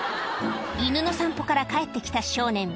犬の散歩から帰って来た少年